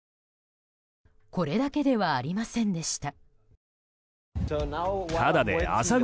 これだけではありませんでした。